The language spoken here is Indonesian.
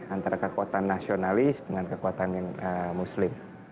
antara kekuatan nasionalis dengan kekuatan muslim